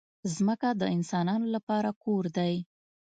ځمکه د انسانانو لپاره کور دی.